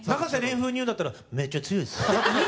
風に言うんだったら「めっちゃ強いっす」